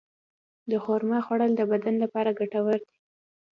د خرما خوړل د بدن لپاره ګټور دي.